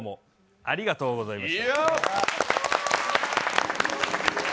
ありがとうございます。